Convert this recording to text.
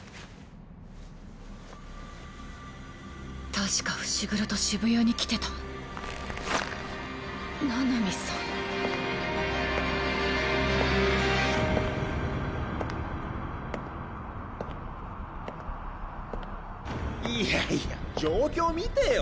確か伏黒と渋谷に来てたいやいや状況見てよ。